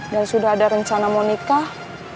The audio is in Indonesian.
dan sudah ada rencana mau nikah